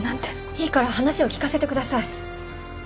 いいから話を聞かせてください！